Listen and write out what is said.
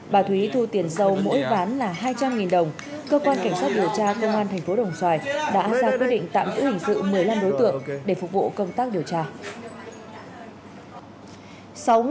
bà thúy thu tiền sâu mỗi ván là hai trăm linh đồng cơ quan cảnh sát điều tra công an thành phố đồng xoài đã ra quyết định tạm giữ hình sự một mươi năm đối tượng để phục vụ công tác điều tra